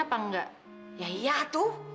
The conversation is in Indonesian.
apa enggak ya iya tuh